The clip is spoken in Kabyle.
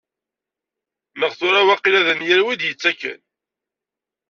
Neɣ tura waqila d anyir-iw i d-yettaken.